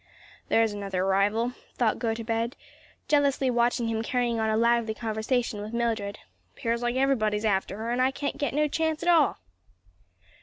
"There's another rival," thought Gotobed, jealously watching him carrying on a lively conversation with Mildred; "'pears like every body's after her; and I can't get no chance at all."